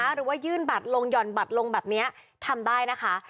หรือว่ายื่นบัตรลงหย่อนบัตรลงแบบนี้ทำได้นะคะ